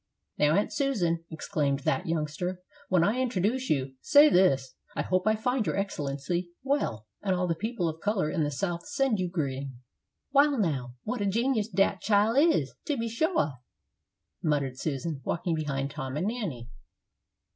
"Now, Aunt Susan," exclaimed that youngster, "when I introduce you, say this: 'I hope I find your Excellency well, and all the people of color in the South send you greeting.'" "Wa'al, now, what a genius dat chile is, to be shuah!" muttered Susan, walking behind Tom and Nanny.